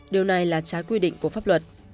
điều này là trái quy định của pháp luật